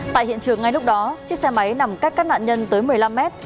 tại hiện trường ngay lúc đó chiếc xe máy nằm cách các nạn nhân tới một mươi năm mét